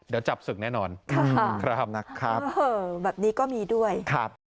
เดี๋ยวจับศึกแน่นอนครับนะครับแบบนี้ก็มีด้วยครับ